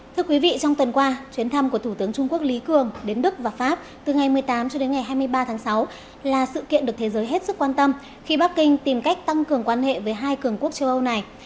thưa quý vị trong tuần qua chuyến thăm của thủ tướng trung quốc lý cường đến đức và pháp từ ngày một mươi tám cho đến ngày hai mươi ba tháng sáu là sự kiện được thế giới hết sức quan tâm khi bắc kinh tìm cách tăng cường quan hệ với hai cường quốc châu âu này